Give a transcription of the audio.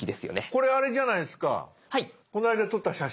これあれじゃないですかこの間撮った写真。